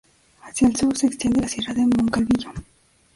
Hacia el sur se extiende la Sierra de Moncalvillo.